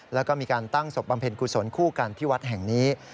แล้วก็มีการตั้งศพบำเพ็ญกุศลคู่กันที่วัดแห่งนี้